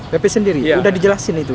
pp sendiri sudah dijelasin itu